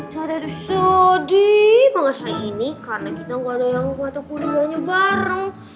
tata tuh sedih banget hari ini karena kita gak ada yang mau takut duanya bareng